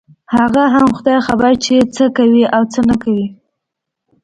هغه هم خداى خبر چې څه کوي او څه نه کوي.